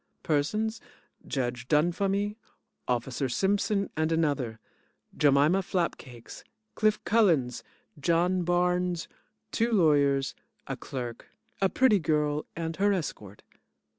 PERSONS: Judge Dunfumy, Officer Simpson and another, Jemima Flapcakes, Cliff Mullins, John Barnes, two lawyers, a clerk, a pretty girl and her escort.